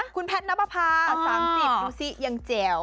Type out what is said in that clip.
คุณแพทย์นับประพา๓๐ดูสิยังแจ๋ว